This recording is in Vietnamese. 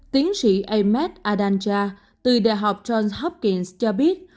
tiến sĩ ahmed adanja từ đại học johns hopkins cho biết